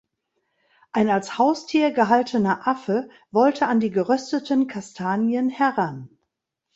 Ein als Haustier gehaltener Affe wollte an die gerösteten Kastanien heran.